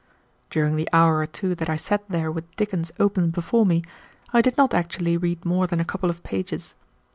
During the hour or two that I sat there with Dickens open before me, I did not actually read more than a couple of pages.